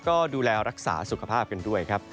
ก็ดูแลรักษาสุขภาพกันด้วยครับ